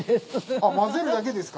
あっ混ぜるだけですか？